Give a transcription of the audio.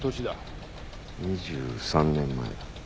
２３年前だ。